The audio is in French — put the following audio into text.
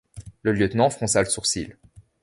Le lieutenant fronça le sourcil.